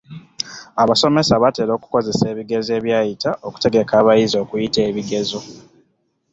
Abasomesa batera okukozesa ebigezo ebyayita okutegeka abayizi okuyita ebigezo.